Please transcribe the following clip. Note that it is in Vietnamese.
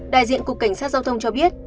đại diện cục cảnh sát giao thông cho biết